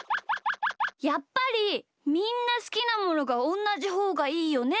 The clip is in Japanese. やっぱりみんなすきなものがおんなじほうがいいよね。